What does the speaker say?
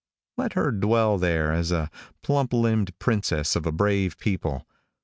Let her dwell there as the plump limbed princess of a brave people.